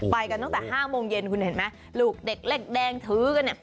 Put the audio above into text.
ไปกันตั้งแต่๕โมงเย็นลูกเด็กเล็กแดงถือกันเนี่ย